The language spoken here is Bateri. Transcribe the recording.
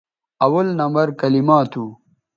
اول نمبر کلما تھو